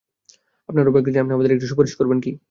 আপনার রবের কাছে আপনি আমাদের জন্য একটু সুপারিশ করবেন কি?